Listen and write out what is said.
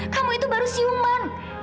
kamu itu baru siuman